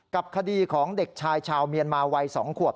คดีของเด็กชายชาวเมียนมาวัย๒ขวบ